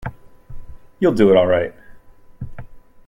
You'll do it all right.